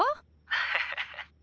⁉ハハハハ。